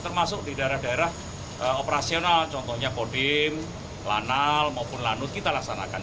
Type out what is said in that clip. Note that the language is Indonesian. termasuk di daerah daerah operasional contohnya kodim lanal maupun lanut kita laksanakan